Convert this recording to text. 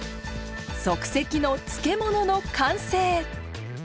即席の漬物の完成。